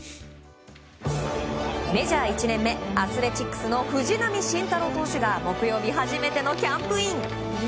メジャー１年目アスレチックスの藤浪晋太郎投手が木曜日、初めてのキャンプイン。